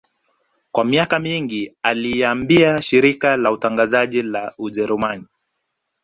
Kwa miaka mingi aliiambia shirika la utangazaji la Ujerumani